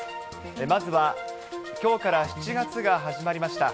まずは、きょうから７月が始まりました。